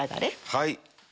はい。